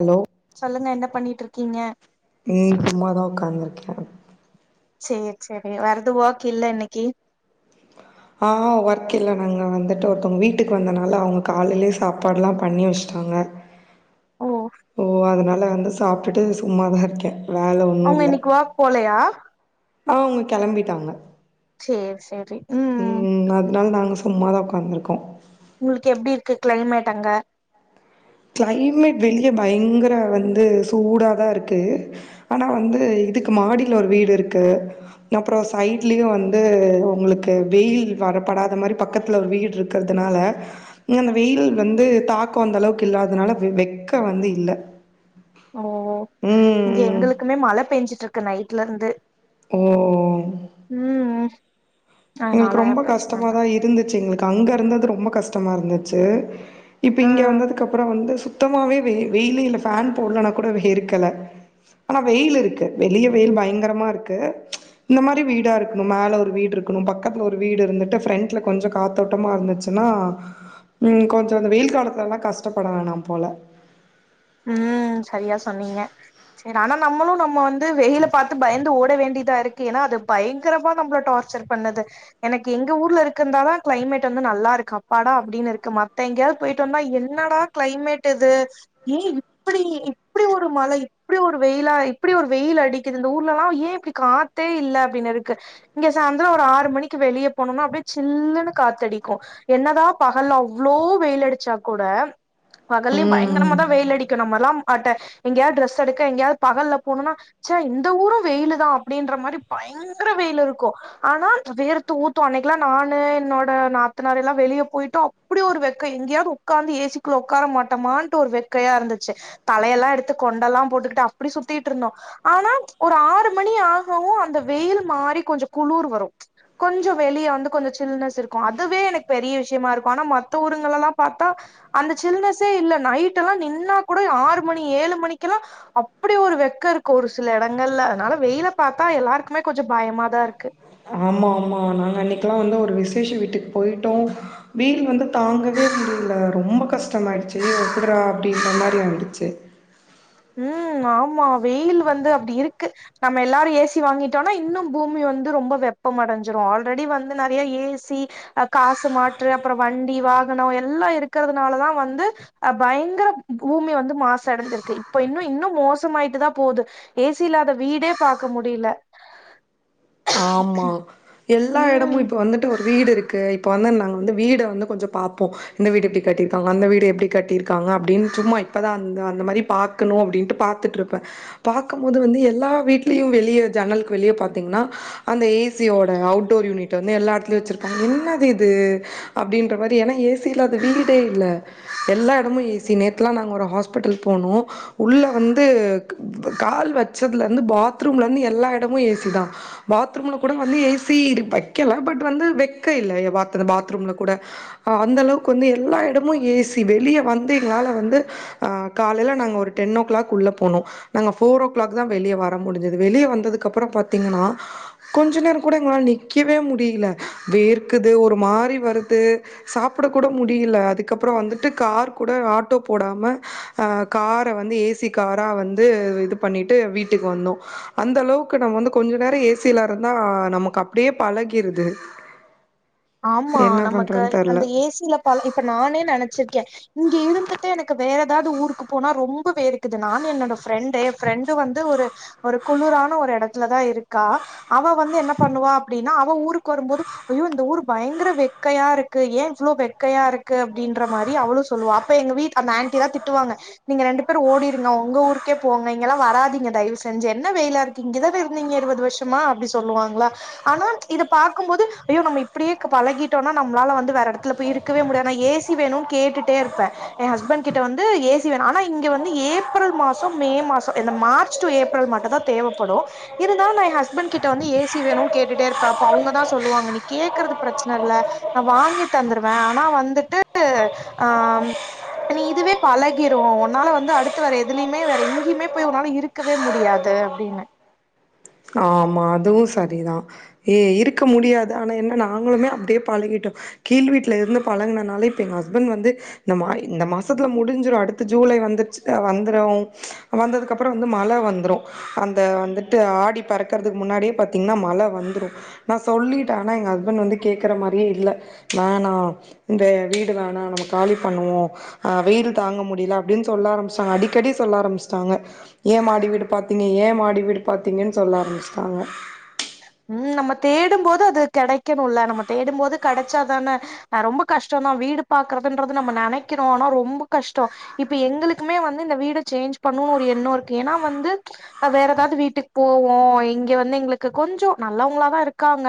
Hello சொல்லுங்க என்ன பண்ணிட்ருக்கீங்க ம் சும்மாதா ஒக்காந்துருக்கே செரி செரி வேர எது ஓர்க் இல்ல இன்னிக்கி ஆ ஒர்க் இல்ல நாங்க வந்துட்டோ ஒருத்தோங்க வீட்டுக்கு வந்தனால அவுங்க காலைலயே சாப்பாட்லா பண்ணி வெச்சுட்டாங்க ஓ ஓ அதனால வந்து சாப்ட்டுட்டு சும்மாதா இருக்கே வேல ஒன்னு அவங்க இல்ல இன்னைக்கு வாக் போலையா ஆ அவுங்க கெளம்பிட்டாங்க சேரி சேரி ம் ம் அதனால நாங்க சும்மாதா ஒக்காந்துருக்கோ உங்ளுக்கு எப்டி இருக்கு க்ளைமேட் அங்க க்ளைமேட் வெளிய பயங்கர வந்து சூடாதா இருக்கு ஆனா வந்து இதுக்கு மாடில ஒரு வீடு இருக்கு அப்புறோ சைட்லயு வந்து உங்ளுக்கு வெயில் வரப்படாத மாரி பக்கத்துல ஒரு வீட்ருக் கறதுனால அந்த வெயில் வந்து தாக்கோ அந்த அளவுக் கு இல்லாதனால வெக்க வந்து இல்ல ஓ ம், இங்க ம். எங்களுக்குமே மழ பெஞ்சிட்டு இருக்கு நைட்ல இருந்து ஓ ம் எங்களுக்கு அதனால ரொம்ப பிரச்சன இல்ல கஷ்டமாதா இருந்துச்சு எங்களுக்கு அங்க இருந்தது ரொம்ப கஷ்டமா இருந்துச்சு இப்ப ஆ இங்க வந்ததுக்கப்புறோ வந்து சுத்தமாவே வெயி வெயிலே இல்ல ஃபேன் போட்லன்னாகூட வேர்க்கல ஆனா வெயில் இருக்கு வெளிய வெயில் பயங்கரமா இருக்கு இந்த மாரி வீடா இருக்ணு மேல ஒரு வீடு இரு க்குனு பக்கத்துல ஒரு வீடு இருந்துட்டு ஃப்ரெண்ட்ல கொஞ்ச காத்தோட்டமா இருந்துச்சுன்னா ம் கொஞ்ச இந்த வெயில் காலத்துலலா கஷ்டப்பட வேணாம் போல ம் சரியா சொன்னீங்க செரி ஆனா நம்மளு நம்ம வந்து வெயில பார்த்து பயந்து ஓட வேண்டிதா இருக்கு ஏன்னா அது பயங்கரமா நம்மள டார் ச்சர் பண்ணுது எனக்கு எங்க ஊர்ல இருக்கு இருந்தாதா கிளைமேட் வந்து நல்லா இருக்கு அப்பாடா அப்டின்னு இருக்கு மத்த எங்கயாவது போயிட்டு வந்தா என்னடா கிளைமேட் இது ஏன் இப்டி இப்டி இப்ப ஒரு மழை இப்டி ஒரு வெயிலா இப்டி ஒரு வெயில் அடிக்குது இந்த ஊர்லல்லா ஏன் இப்டி காத்தே இல்ல அப்டின்னு இருக்கு இங்க சாந்ரோ ஒரு ஆறு மணிக்கு வெளிய போனோனா அப்டியே சில்லன்னு காத்தடிக்கு என்னதா பகல் அவ்ளோ வெயில் அடிச்சா கூட பகல்லையு பயங்கர ம். வெயில் அடிக்கு நம்மல்லா அட்ட எங்கேயாவது டிரெஸ் எடுக்க எங்கேயாவது பகல்ல போணுனா சை இந்த ஊரு வெயில் தா அப்டின்ற மாரி பயங்கர வெயில் இருக்கு ஆனா வேர்த்து ஊத்து அன்னைக்லா நானு என்னோட நாத்தனார் எல்லா வெளிய போயிட்டோ அப்டி ஒரு வெக்க எங்கேயாவது உட்கார்ந்து ஏசிக்குள்ள உக்கார மாட்டமான் ஒரு வெக்கையா இருந்துச்சு தலையெல்லா எடுத்து கொண்டெல்லா போட்டுக்கிட்டு அப்டி சுத்திட் இருந்தோ ஆனா ஒரு ஆறு மணி ஆகவு அந்த வெயில் மாரி கொஞ்ச குளூர் வரு கொஞ்ச வெளிய வந்து கொஞ்ச சில்னஸ் இருக்கு அதுவே எனக்கு பெரிய விஷ்யமா இருக்கு ஆனா மத்த ஊருங்கள்லா பார்த்தா அந்த சில்னஸ்ஸே இல்ல நைட் எல்லா நின்னா கூட ஆறு மணி ஏழு மணிக்கெல்லா அப்டி ஒரு வெக்க இருக்கு ஒரு சில இடங்கள்ல அதனால வெயில பார்த்தா எல்லாருக்குமே கொஞ்ச பயமாதா இருக்கு ஆமா ஆமா நாங்க அன்னைக்குல்லா வந்து ஒரு விசேஷ வீட்டுக் போயிட்டோ வெயில் வந்து தாங்கவே முடில ரொம்ப கஷ்டமா ஆயிடுச்சு ஏ எப்பட்றா அப்டின்ற மாரி ஆயிடுச்சு ம் ஆமா வெயில் வந்து அப்டி இருக்கு நம்ம எல்லாரு ஏசி வாங்கிட்டோனா இன்னு பூமி வந்து ரொம்ப வெப்ப அடைஞ்சிடு ஆல்ரெடி வந்து நெறைய ஏசி அ காசு மாற்று அப்றோ வண்டி வாகனோ எல்லா இருக்கறதுனாலதா வந்து அ பயங்கரம் பூமி வந்து மாசு அடஞ்சிருக்கு இப்ப இன்னு இன்னு மோசமாயிட்டு தா போது ஏசி இல்லாத வீடே பார்க்க முடில ஆமா எல்லா ம் இடமு இப்ப வந்துட்டு ஒரு வீடு இருக் கு இப்போ வந்து நாங்க வந்து வீடு வந்து கொஞ்ச பார்ப்போ இந்த வீடு எப்டி கட்டியிருக்காங்க அந்த வீடு எப்டி கட்டியிருக்காங்க அப்டின் சும்மா இப்பதா அந்த அந்த மாரி பா க்னு அப்டின்டு பார்த்துட்டு இருப்ப பார்க்கும் போது வந்து எல்லா வீட்லியு வெளிய ஜன்னலக் வெளிய பாத்தீங்னா அந்த ஏசியோட அவுட்டோர் யூனிட் வந்து எல்லா இடத்துலயு வச்சிருப்பாங்க என்னது இது அப்டின்ற மாரி ஏன்னா ஏசியில்லாத வீடே இல்ல எல்லா இடமு ஏசி நேத்துலா நாங்க ஒரு ஹாஸ்பிட்டல் போனோ உள்ள வந்து கால் வச்சதுல இருந்து பாத்ரூம்ல இருந்து எல்லா இடமு ஏசி தா பாத்ரூம்ல கூட வந்து ஏசி வைக்கல பட் வந்து வெக்க இல்ல பா பாத்ரூம்ல கூட அ அந்த அளவுக்கு வந்து எல்லா இடமு ஏசி வெளிய வந்து எங்களால வந்து ஆ காலையில நாங்க ஒரு டென் ஓ கிளாக் உள்ள போனோ நாங்க ஃபோரோ கிளாக் தா வெளிய வர முடிஞ்சது வெளியே வந்ததுக்கு அப்புற பாத்தீங்கன்னா கொஞ்ச நேர கூட எங்களால நிக்கவே முடில வேர்க்குது ஒரு மாரி வருது சாப்ட கூட முடில அதுக்கப்புறோ வந்துட்டு கார் கூட ஆட்டோ போடாம அ கார வந்து ஏசி காரா வந்து இது பண்ணிட்டு வீட்டுக்கு வந்தோ அந்த அளவுக்கு நம்ம வந்து கொஞ்ச நேரோ ஏ சில இருந்தா நமக்கு அப்டியே பழகிருது ஆமா என்ன நமக்கு பண்றதுன்னு தெர்ல அந்த ஏசியில பழ இப்ப நானே நனச்சிருக்க இங்க இருந்துட்டு எனக்கு வேற எதாது ஊருக்கு போனா ரொம்ப வேர்க்கிது நானு என்னோட ஃப்ரெண்டு எ ஃப்ரெண்டு வந்து ஒரு ஒரு குளுரான ஒரு எடத்துலதா இருக்கா அவ வந்து என்ன பண்ணுவா அப்டின்னா அவ ஊருக்கு வரும்போது ஐயோ இந்த ஊரு பயங்கர வெக்கையா இருக்கு ஏ இவ்வளோ வெக்கையாருக்கு அப்படின்ற மாரி அவளோ சொல்லுவா அப்ப எங்க வீட்டு அந்த ஆண்டிலா திட்டுவாங்க நீங்க ரெண்டு பேர் ஓடிருங்க உங்க ஊருக்கே போங்க இங்கெல்லா வராதிங்க தயவு செஞ்சு என்ன வெயிலா இரு க்கு இங்கதான இருந்தீங்க இருவது வர்ஷமா அப்டி சொல்லுவாங்ளா ஆனா இத பாக்கும்போது ஐயோ நம்ம இ ப்படியே இர்க்க பழகிட்டோனா நம்மளால வந்து வேற எடத்துல போய் இருக்கவே முடியாது நா ஏசி வேணுன் கேட்டுட்டே இருப்பே எ ஹஸ்பண்கிட்ட வந்து ஏசி வேணு ஆனா இங்க வந்து ஏப்ரல் மாசோ மே மாசோ இந்த மார்ச் டு ஏப்ரல் மட்டுதா தேவைப்படு இருந்தாலு நா எ ஹஸ்பண்கிட்ட வந்து ஏசி வேணு கேட்டுட்டே இருப்ப அவுங்கதா சொல்லுவாங்க நீ கே க்கிறது ப்ரெச்ன இல்ல நா வாங்கி தந்துருவே ஆனா வந்துட்டு ஆ நீ இதுவே பழகிறோ உன்னால வந்து அடுத்து வேற எதுலியுமே வேற எங்கியுே போய் உன்னால இரு க்கவே முடியாது அப்டின்னு ஆமா அதுவு சரிதா ஏ இருக்க முடியாது ஆனா என்ன நாங்களுமே அப்டியே பழகிட்டோ கீழ் வீட்ல இருந்து பழங்கினனால இப்ப எங்க ஹஸ்பண் வந்து இந்த மா இந்த மாசத்துலா முடிஞ்சிரு அடுத்த ஜூலை வந்துர்ச்சுல வந்துரு வந்ததுக்கு அப்புறோ வந்து மழ வந்துரு அந்த வந்துட்டு ஆடி பெறக் கறதுக் முன்னாடியே பாத்தீங்ன்னா மழ வந்துரு நா சொல்லிட்டே ஆனா எங்க ஹஸ்பண் வந்து கேக்குற மாரியே இல்லா வேணா இந்த வீடு வேணா நம்ம காலி பண்ணுவோ ஆ வெயில் தாங்க முடிலா அப்டின் சொல்ல ஆரம்பிஷ்ட்டாங்க அடிக்கடி சொல்ல ஆரம்பிஷ்ட்டாங்க ஏ மாடி வீடு பாத்தீங்க ஏ மாடி வீடு பாத்தீங்கன் சொல்ல ஆரம்பிஷ்ட்டாங்க ம் நம்ம தேடும்போது அது கெடைக்கணுலா நம்ம தேடும்போது கெடச்சாதான அ ரொம்போ கஷ்டொந்தா வீடு பாக்குறதுன்றது நம்ம நெனைக்கிறோ ஆனா ரொம்போ கஷ்டோ இப்ப எங்களுக்குமே வந்து இந்த வீட சேஞ்ச் பண்ணு ஒரு எண்ணோ இருக்கு ஏனா வந்து அ வேற எதாவ்து வீட்டுக் போவோ இங்க வந்து எங்களுக்கு கொஞ்சோ நல்லவங்களதா இருக்காங்க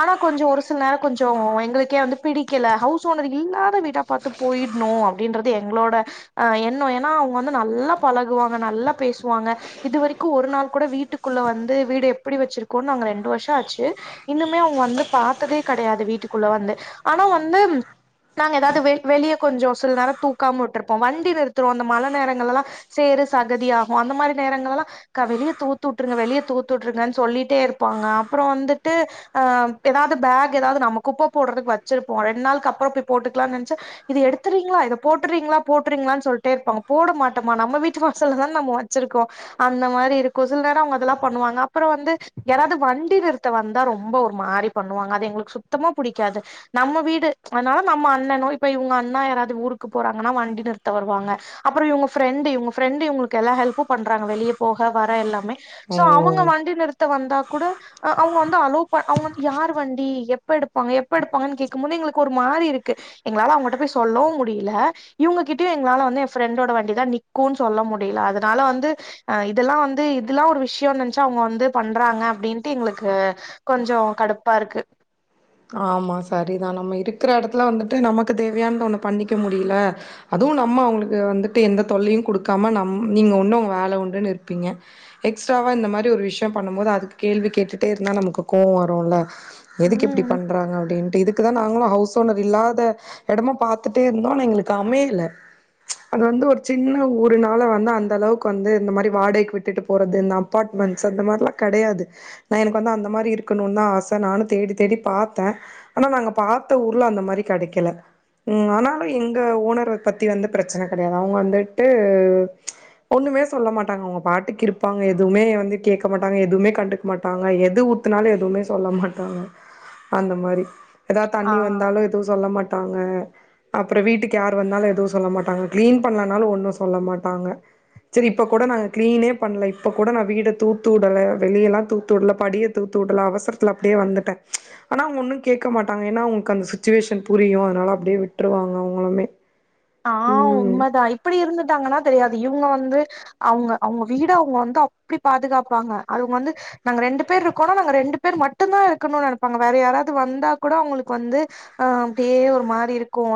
ஆனா கொஞ்சோ ஒரு சில நேரோ கொஞ்சோ எங்களுக்கே வந்து பிடிக்கல ஹவுஸ் ஓனர் இல்லாத வீடா பாத்து போயிட்ணோ அப்டின்றது எங்களோட அ எண்ணோ ஏனா அவுங்க வந்து நல்லா பழகுவாங்க நல்லா பேசுவாங்க இது வரிக்கு ஒரு நாள் கூட வீட்டுக்குள்ள வந்து வீடு எப்படி வெச்சிருக்கோன் நாங்க ரெண்டு வருஷோ ஆச்சு இன்னுமே அவுங்க வந்து பாத்ததே கெடையாது வீட்டுக்குள்ள வந்து ஆனா வந்து நாங்க எதாது வெ வெளியே கொஞ்சோ சில நேரோ தூக்காம விட்டிருப்போ வண்டி நிறத்துவோ அந்த மழ நேரங்களல்லா சேறு சகதியாகு அந்த மாரி நேரங்களல்லா க வெளிய தூத்து உட்ருங்க வெளிய தூத்து உட்ருங்கன் சொல்லி ட்டே இருப்பாங்க அப்பறோ வந்துட்டு ஆ எதாது பேக் எதாவ்து நம்ம குப்ப போட்றதுக் வச்சிருப்போ ரெண் நாளுக் அப்புறோம் போய் போட்டுக்கலான் நென்ச்சா இது எடுத்துறீங்ளா இத போட்டுறீங்ளா போட்டுறீங்ளான் சொல்ட்டே இருப்பாங்க போட மாட்டமா நம்ம வீட்டு வாசல்லதான நம்ம வச்சிருக்கோ அந்த மாரி இருக்கு சில் நேரோ அவ்ங்க அதெல்லா பண்ணுவாங்க அப்புறோ வந்து யாராவது வண்டி நிறுத்த வந்தா ரொம்போ ஒரு மாரி பண்ணுவாங்க அது எங்களுக்கு சுத்தமா புடிக்காது நம்ம வீடு அத்னால நம்ம அண்ணனு இப்ப இவேங்க அண்ணா யாராது ஊருக்கு போறாங்கன்னா வண்டி நிறுத்த வருவாங்க அப்புறோ இவுங்க ஃப்ரெண்டு இவுங்க ஃப்ரெண்டு இவுங்குளுக்கு எல்லா ஹெல்ப்பு பண்றாங்க வெளிய போக வர எல்லாமே சோ அவுங்க ஓ வண்டி நிறுத்த வந்தா கூட அ அவுங்க வந்து அலோவ் ப அவுங்க வந்து யாரு வண்டி எப்ப எடுப்பாங்க எப்ப எடுப்பாங்கன் கேக்கும் போது எங்களுக்கு ஒரு மாரி இருக்கு எங்களால அவுங்கட்ட போய் சொல்லவு முடியில இவுங்ககிட்டியு எங்ளால வந்து எ ஃப்ரெண்டோட வண்டிதா நிக்குன் சொல்ல முடியில அதனால வந்து அ இதெல்லா வந்து இதுல்லா ஒரு விஷ்யோன் நென்ச்சா அவுங்க வந்து பண்றாங்க அப்டின்ட்டு எங்களுக்கு கொஞ்சம் கடுப்பா இருக்கு ஆமா சரிதான் நம்ம இருக்கிற இடத்துல வந்துட்டு நமக்கு தேவையான ஒண்ண பண்ணிக்க முடில அதுவும் நம்ம அவங்களுக்கு வந்துட்டு எந்த தொல்லையும் குடுக்காம நம் நீங்க ஒண்ணு உங்க வேலை உண்டுன்னு இருப்பீங்க எக்ஸ்ட்ராவா இந்த மாரி ஒரு விஷயம் பண்ணும் போது அதுக்கு கேள்வி கேட்டுட்டே இருந்தா நமக்கு கோவோ வரும்ல்ல எதுக்கு இப்டி ம் பண்றாங்க அப்டின்ட்டு இதுக்கு தான் நாங்களும் ஹவுஸ் ஓனர் இல்லாத இடமா பாத்துட்டே இருந்தோம் எங்களுக்கு அமையல அது வந்து ஒரு சின்ன ஒரு நாள வந்து அந்த அளவுக்கு வந்து இந்த மாரி வாடகைக்கு விட்டுட்டு போறது நா அப்பார்ட்மெண்ட்ஸ் அந்த மார்லாம் கிடையது நா எனக்கு வந்து அந்த மாரி இருக்கணும்னு தான் ஆச நானும் தேடி தேடி பாத்தேன் ஆனா நாங்க பாத்த ஊர்ல அந்த மாரி கிடைக்கல ம் ஆனாலும் எங்க ஓனர பத்தி வந்து பிரச்சனை கிடையாது அவுங்க வந்துட்டு ஒண்ணுமே சொல்ல மாட்டாங்க அவங்க பாட்டுக்கு இருப்பாங்க எதுவுமே வந்து கேட்க மாட்டாங்க எதுவுமே கண்டு க்க மாட்டாங்க எது ஊத்துனாலும் எதுவுமே சொல்ல மாட்டாங்க அந்த மாறி ஏதாவது தண்ணி ஆ வந்தாலும் எதுவும் சொல்ல மாட்டாங்க அப்பற வீட்டுக்கு யாரு வந்தாலும் எதுவும் சொல்ல மாட்டாங்க கிளீன் பண்ணலனாலும் ஒண்ணும் சொல்ல மாட்டாங்க சேரி இப்ப கூட நாங்க கிளீனே பண்ணல இப்ப கூட நான் வீட தூத்து விடல வெளிய எல்லா தூத்து விடல படிய தூத்து விடல அவசரத்துல அப்டியே வந்துட்டேன் ஆனா அவுங்க ஒன்னும் கேட்க மாட்டாங்க ஏன்னா அவங்களுக்கு அந்த சுச்சுவேஷன் புரியும் அதனால அப்டியே விட்டுருவாங்க அவுங்களுமே ஆ உண்மதான் இப்டி இருந்துட்டாங்கன்னா தெரியாது இவங்க வந்து அவுங்க அவுங்க வீட அவங்க வந்து அப்டி பாதுகாப்பாங்க அவுங்க வந்து நாங்க ரெண்டு பேர் இருக்கோனா நாங்க ரெண்டு பேர் மட்டும்தான் இருக்கணும்னு நினைப்பாங்க வேற யாராவது வந்தா கூட அவுங்களுக்கு வந்து அ அப்டியே ஒரு மாரி இருக்கும்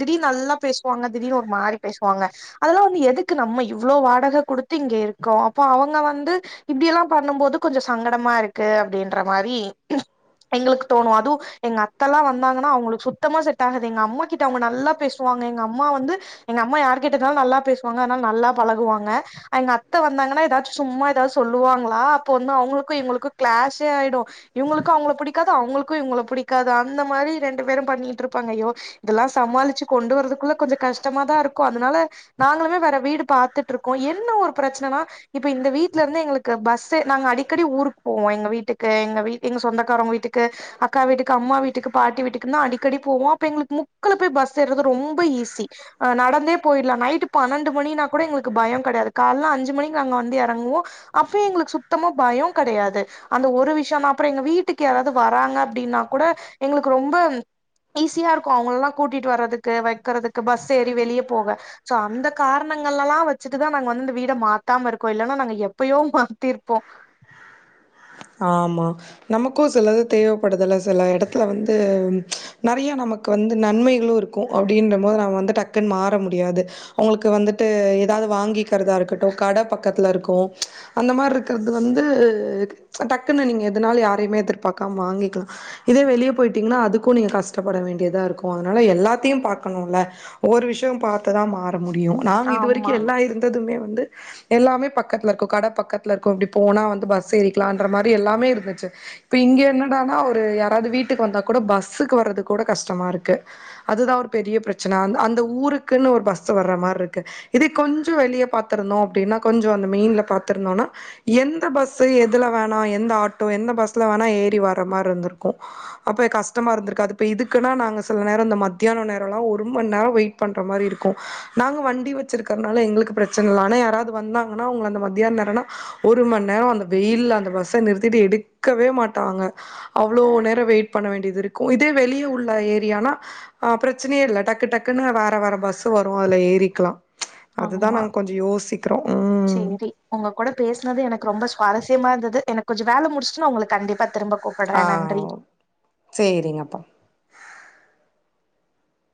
திடீர் நல்லா பேசுவாங்க திடீர்னு ஒரு மாரி பேசுவாங்க அதெல்லாம் வந்து எதுக்கு நம்ம இவ்ளோ வாடக குடுத்து இங்க இருக்கோம் அப்போ அவங்க வந்து இப்டியெல்லாம் பண்ணும் போது கொஞ்சோ சங்கடமா இருக்கு அப்டின்ற மாரி எங்களுக்கு தோணும் அதும் எங்க அத்தெல்லாம் வந்தாங்கன்னா அவங்களுக்கு சுத்தமா செட் ஆகுது எங்க அம்மா கிட்ட அவுங்க நல்லா பேசுவாங்க எங்க அம் மா வந்து எங்க அம்மா யாரு கேட்டாலும் நல்லா பேசுவாங்க அதனால நல்லா பழகுவாங்க எங்க அத்தை வந்தாங்கன்னா ஏதாச்சும் சும்மா ஏதாவச்சது சொல்லுவாங்களா அப்போ வந்து அவங்களூக்கும் எங்களுக்கும் கிளாஷே ஆய்டும் இவங்களுக்கு அவுங்களுக்கு பிடிக்காது அவங்களுக்கும் இவங்கள பிடிக்காது அந்த மாறி ரெண்டு பேரும் பண்ணிட்டு இருப்பாங்க ஐயோ இதெல்லாம் சமாளிச்சு கொண்டு வரதுக்குள்ள கொஞ்சம் கஷ்டமாதான் இருக்கும் அதனால நாங்களுமே வேற வீடு பாத்துட்டு இருக்கோம் என்ன ஒரு பிரச்சனைன்னா இப்ப இந்த வீட்ல இருந்து எங்களுக்கு பஸ் நாங்க அடிக்கடி ஊருக்கு போவோம் எங்க வீட்டுக்கு எங்க வீ எங்க சொந்தக்காரவங்க வீட்டுக்கு அக்கா வீட்டுக்கு அம்மா வீட்டுக்கு பாட்டி வீட்டுக்கு தான் அடிக்கடி போவோ அப்ப எங்களுக்கு முக்குள போய் பஸ் ஏறது ரொம்ப ஈஸி நடந்தே போயிடலாம் நைட் பன்னெண்டு மணின்னா கூட எங்களுக்கு பயோ கெடையாது கால்ல அஞ்சு மணிக்கு நாங்க வந்து இறங்குவோம் அப்ப எங்களுக்கு சுத்தமா பய கெடையாது அந்த ஒரு விஷயம்ன அப்பறோ எங்க வீட்டுக்கு யாராவது வராங்க அப்டின்னா கூட எங்களுக்கு ரொம்ப ஈஸியா இருக்கும் அவங்களல்லாம் கூட்டிட்டு வர்றதுக்கு வைக்கறதுக்கு பஸ் ஏறி வெளியே போக சோ அந்த காரணங்கள்ல எல்லாம் வச்சுட்டுதான் நாங்க வந்து இந்த வீட மாத்தாம இருக்கோம் இல்லன்னா நாங்க எப்பயோ மாத்திருப்போம் ஆமா நமக்கும் சிலது தேவைப்படுதுல சில இடத்துல வந்து நிறைய நமக்கும் வந்து நன்மைகளும் இருக்கும் அப்டின்ற போது நம்ம வந்து டக்குன்னு மாற முடியாது அவுங்களுக்கு வந்துட்டு ஏதாவது வாங்கிக்கிறதா இருக்கட்டும் கட பக்கத்துல இருக்கும் அந்த மாரி இருக்கிறது வந்து டக்குன்னு நீங்க எதுனால யாரையுமே எதிர்பார்க்காம வாங்கிக்கலாம் இதே வெளியே போயிட்டீங்கன்னா அதுக்கும் நீங்க கஷ்டப்பட வேண்டியதா இருக்கும் அதனால எல்லாத்தையும் பாக்கணும்ல ஒவ்வொரு விஷயம் பார்த்துதா மாற முடியும் நாங்க இது ஆமா வரைக்கும் எல்லா இருந் ததுமே வந்து எல்லாமே பக்கத்துல இருக்கும் கடை பக்கத்துல இருக்கும் இப்படி போனா வந்து பஸ் ஏரி லான்ற மாரி எல்லாமே இருந்துச்சு இப்ப இங்க என்னடானா ஒரு யாராது வீட்டுக்கு வந்தா கூட பஸ்ஸுக்கு வர்றது கூட கஷ்டமா இருக்கு அதுதா ஒரு பெரிய பிரச்சன அந்த அந்த ஊருக்குன்னு ஒரு பஸ் வர மாருக்கு இதே கொஞ்சொ வெளிய பாத்திருந்தோ அப்டின்னா கொஞ்சொ அந்த மெயின்ல பாத்திருந்தோன்னா எந்த பஸு எது இதுல வேணா எந்த ஆட்டோ எந்த பஸ்ல வேணா ஏறி வர்ற மாதிரி இருந்திருக்கு அப்ப கஷ்டமா இருந்திருக்கு அதுப்ப இதுக்குன்னா நாங்க சில நேர இந்த மத்தியான நேர எல்லா ஒரு மணி நேரோ வெயிட் பண்ற மாரி இருக்கு நாங்க வண்டி வச்சிருக்கறனால எங்களுக்கு பிரச்சனை இல்ல ஆனா யாராவது வந்தாங்கன்னா அவங்க அந்த மத்தியான நேரம்னா ஒரு மணி நேரோ அந்த வெயில அந்த பஸ்ஸை நிறுத்திட்டு எடுக்கவே மாட்டாங்க அவ்ளோ நேர வெயிட் பண்ண வேண்டியது இருக்கு இதே வெளியே உள்ள ஏரியானா அ பிரச்சனையே இல்ல டக்கு டக்குன்னு வேற வேற பஸ் வரு அதுல ஏறிக்கலாம் அதுதா ஆமா நாங்க கொஞ்சோ யோசிக்கிறோ ம் சேரி உங்க கூட பேசனது எனக்கு ரொம்ப சுவாரஸ்யமா இருந்தது எனக்கு கொஞ்சோ வேல முடிச்சுட்டு உங்களுக்கு கண்டிப்பா திரும்ப அ கூப்புட்றே நன்றி சேரிங்கப்பா